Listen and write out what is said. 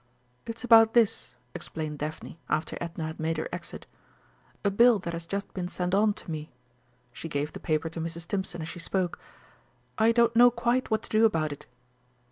"It's about this," explained Daphne, after Edna had made her exit "a bill that has just been sent on to me." She gave the paper to Mrs. Stimpson as she spoke. "I don't know quite what to do about it."